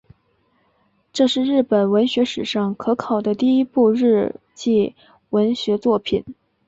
这是日本文学史上可考的第一部日记文学作品。